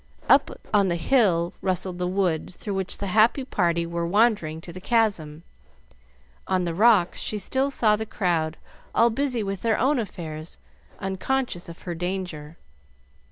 Up on the hill rustled the wood through which the happy party were wandering to the Chasm. On the rocks she still saw the crowd all busy with their own affairs, unconscious of her danger.